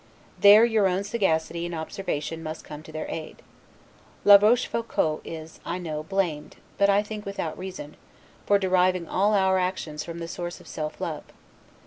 There your own sagacity and observation must come to their aid. La Rochefoucault, is, I know, blamed, but I think without reason, for deriving all our actions from the source of self love.